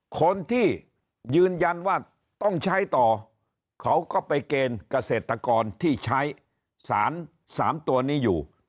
คนที่ยืนยันว่าต้องใช้ต่อเขาก็ไปเกณฑ์เกษตรกรที่ใช้สาร๓ตัวนี้อยู่